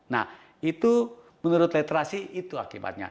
nah itu menurut literasi itu akibatnya